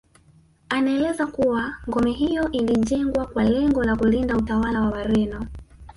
Anaeleza kuwa ngome hiyo ilijengwa kwa lengo la kulinda utawala wa Wareno